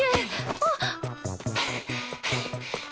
あっ！